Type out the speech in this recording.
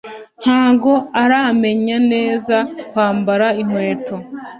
Ntago aramenya neza kwambara inkweto